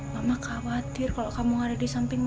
mama khawatir kalo kamu ada di samping mama